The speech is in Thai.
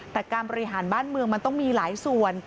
แต่การบริหารบ้านเมืองมันต้องมีหลายส่วน